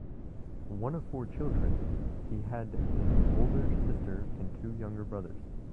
One of four children, he had an older sister and two younger brothers.